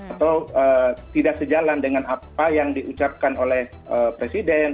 atau tidak sejalan dengan apa yang diucapkan oleh presiden